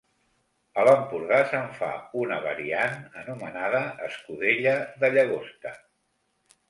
A l'Empordà se'n fa una variant anomenada escudella de llagosta.